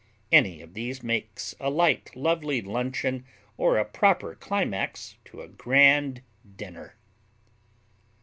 Any of these makes a light, lovely luncheon or a proper climax to a grand dinner.